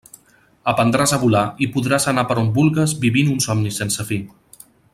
Aprendràs a volar i podràs anar per on vulgues vivint un somni sense fi.